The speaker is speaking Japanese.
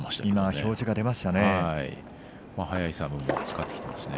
表示が出ましたね。